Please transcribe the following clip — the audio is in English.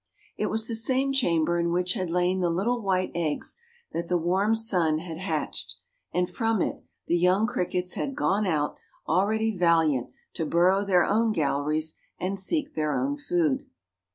It was the same chamber in which had lain the little white eggs that the warm sun had hatched, and from it the young crickets had gone out, already valiant, to burrow their own galleries, and seek their own food.